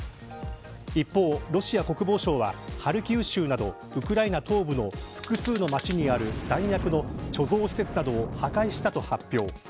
一方、ロシア国防省はハルキウ州などウクライナ東部の複数の街にある弾薬の貯蔵施設などを破壊したと発表。